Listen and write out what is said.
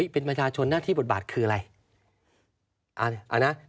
เป็นประชาชนหน้าที่บทบาทคืออะไร